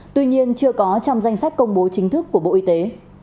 tuy nhiên chưa có trong danh sách công bố chính thức của bộ y tế